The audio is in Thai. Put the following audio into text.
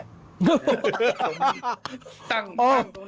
สำนักเสื้อ